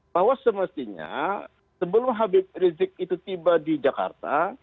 bahwa semestinya sebelum h r i t i tiba di jakarta